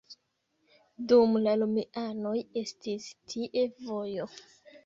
Dum la romianoj estis tie vojo.